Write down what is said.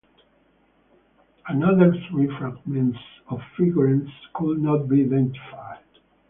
Another three fragments of figurines could not be identified.